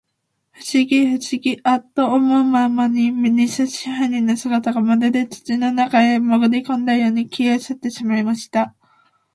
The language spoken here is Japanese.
ふしぎ、ふしぎ、アッと思うまに、にせ支配人の姿が、まるで土の中へでも、もぐりこんだように、消えうせてしまいました。